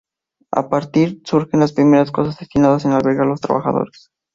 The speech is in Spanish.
A partir de aquí surgen las primeras casas destinadas a albergar a los trabajadores.